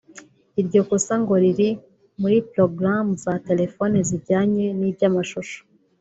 Iryo kosa ngo riri muri porogaramu za telefone zijyanye n’ibyamashusho